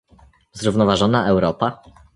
Zrównoważona Europa?